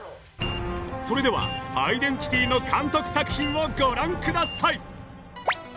それではアイデンティティの監督作品をご覧ください